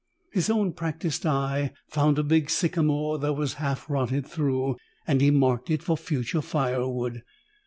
His own practiced eye found a big sycamore that was half rotted through, and he marked it for future firewood.